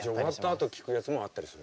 あと聴くやつもあったりする？